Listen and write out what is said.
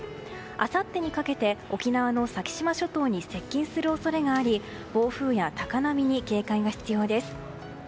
あさってにかけて沖縄の先島諸島に接近する恐れがあり暴風や高波に警戒が必要です。